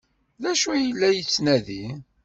D acu ay la yettnadi?